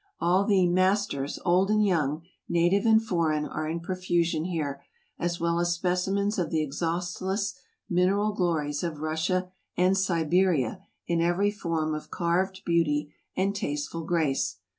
All the "masters," old and young, native and foreign, are in profusion here, as well as specimens of the exhaustless mineral glories of Russia and Siberia in every form of carved beauty and tasteful grace.